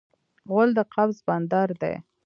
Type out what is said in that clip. غول د قبض بندر دی.